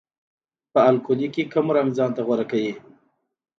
په القلي کې کوم رنګ ځانته غوره کوي؟